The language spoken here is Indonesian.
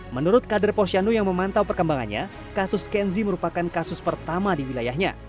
menurut kader posyandu yang memantau perkembangannya kasus kenzi merupakan kasus pertama di wilayahnya